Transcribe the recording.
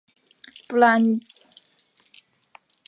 布拉西兰迪亚德米纳斯是巴西米纳斯吉拉斯州的一个市镇。